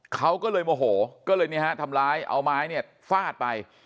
เขาก็เลยโมโหก็เลยทำร้ายเอาไม้เนี่ยฟาดไป